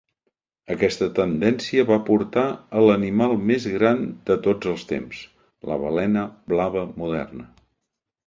Aquesta tendència va portar a l'animal més gran de tots els temps, la balena blava moderna.